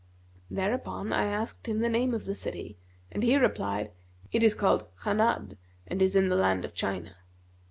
Thereupon I asked him the name of the city, and he replied, 'It is called Hanбd[FN#241] and is in the land of China.'